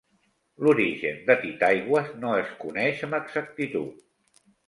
L'origen de Titaigües no es coneix amb exactitud.